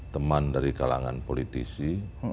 teman dari kalangan politisi